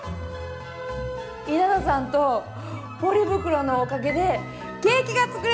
稲田さんとポリ袋のおかげでケーキが作れました。